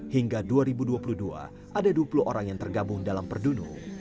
hingga dua ribu dua puluh dua ada dua puluh orang yang tergabung dalam perdunu